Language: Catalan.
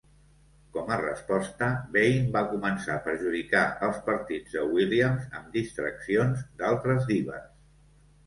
Com a resposta, Vaine va començar a perjudicar els partits de Williams amb distraccions d'altres dives.